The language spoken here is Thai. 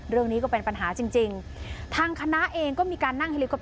เรื่องนี้ก็เป็นปัญหาจริงจริงทางคณะเองก็มีการนั่งเฮลิคอป